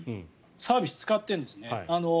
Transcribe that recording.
サービスを使ってるんですね。